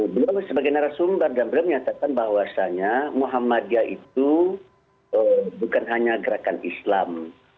beliau sebagai narasumber dan beliau menyatakan bahwasannya muhammadiyah itu bukan hanya gerakan islam